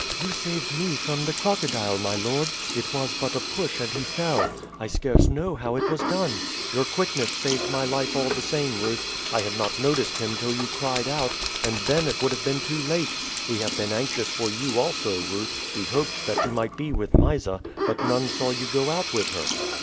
"You saved me from the crocodile, my lord. It was but a push and he fell. I scarce know how it was done." "Your quickness saved my life all the same, Ruth. I had not noticed him till you cried out, and then it would have been too late. We have been anxious for you also, Ruth. We hoped that you might be with Mysa, but none saw you go out with her."